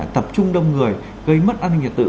tập trung đông người gây mất an ninh trật tự